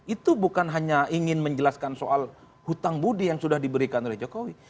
itu bukan hanya ingin menjelaskan soal hutang budi yang sudah diberikan oleh jokowi